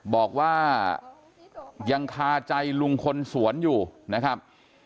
บอกว่ายังคาใจลุงคนสวนอยู่นะครับ